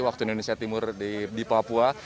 waktu indonesia timur di papua